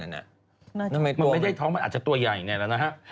น่าจะไม่ต้องมันไม่ได้ท้องมันอาจจะตัวใหญ่แน่แล้วนะฮะ